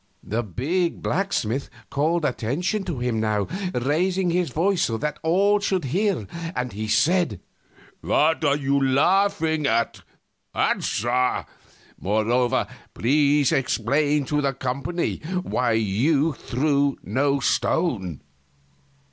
The big blacksmith called attention to him now, raising his voice so that all should hear, and said: "What are you laughing at? Answer! Moreover, please explain to the company why you threw no stone."